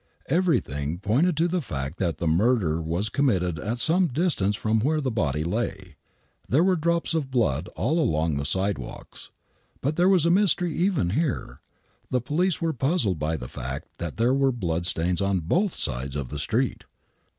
Everything pointed to the fact that the murder was committed at some distance from where the boiT lav. There were drops of blood all along the sidewalks. But there was a mystery even here. The police were puzzled by the fact that there were blood stains on both sides of the street.